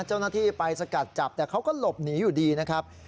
เจ้าหน้าที่ไปสกัดจับแต่เขาก็หลบหนีอยู่ดีนะครับ